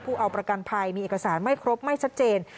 เอาประกันภัยมีเอกสารไม่ครบไม่ชัดเจน